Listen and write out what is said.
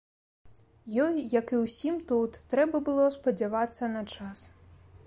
Ёй, як і ўсім тут, трэба было спадзявацца на час.